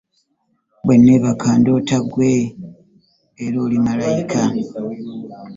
Bweneebaka ndoota gwe era oli malaika.